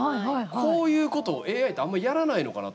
こういうことを、ＡＩってあんまりやらないのかなと。